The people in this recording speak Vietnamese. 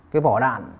cái vỏ đạn